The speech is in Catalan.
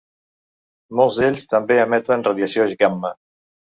Molts d'ells també emeten radiació gamma.